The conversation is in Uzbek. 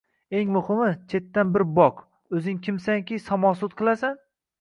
Eng muhimi, chetdan bir boq – oʻzing kimsanki samosud qilasan?!